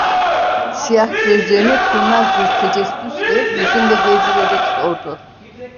Siyah gözlerini kurnaz bir tecessüsle yüzümde gezdirerek sordu.